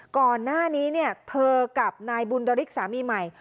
ก่อนหน้านี้เนี่ยเธอกับนายบุญดริกสามีใหม่